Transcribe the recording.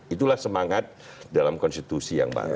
itulah semangat dalam konstitusi yang baru